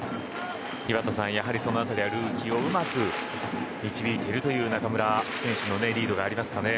井端さん、その辺りはルーキーをうまく導いているという中村選手のリードがありますかね。